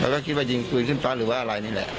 ก็คิดว่ายิงปืนขึ้นฟ้าหรือว่าอะไรนี่แหละ